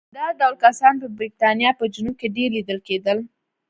دا ډول کسان په برېټانیا په جنوب کې ډېر لیدل کېدل.